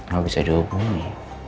gak bisa dihubungi